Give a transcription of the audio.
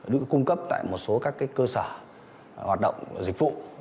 được cung cấp tại một số các cơ sở hoạt động dịch vụ